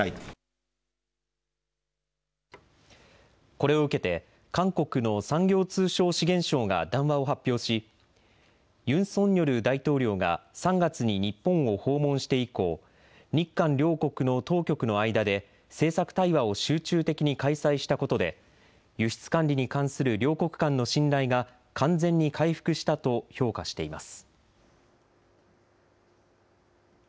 これを受けて、韓国の産業通商資源省が談話を発表し、ユン・ソンニョル大統領が３月に日本を訪問して以降、日韓両国の当局の間で政策対話を集中的に開催したことで、輸出管理に関する両国間の信頼が完全に回復したと評価しています。